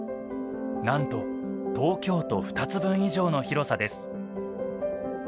なんと東京都２つ分以上の広さです。